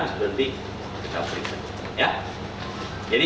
nah itulah tembakan ini